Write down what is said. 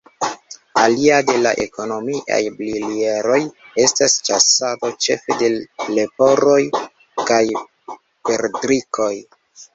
Alia de la ekonomiaj pilieroj estas ĉasado ĉefe de leporoj kaj perdrikoj.